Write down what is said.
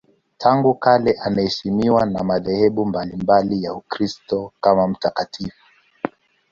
Tangu kale anaheshimiwa na madhehebu mbalimbali ya Ukristo kama mtakatifu.